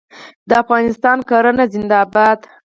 د افغانستان کرنه زنده باد.